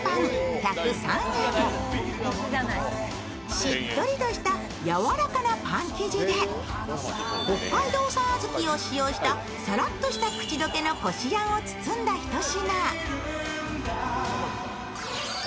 しっとりとした柔らかなパン生地で北海道産小豆を使用したさらっとした口溶けのこしあんを包んだひと品。